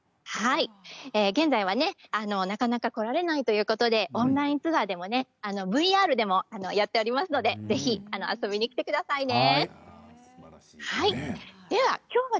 現在はなかなか来られないということでオンラインツアーでもＶＲでもやっておりますのでぜひ遊びに来てくださいね。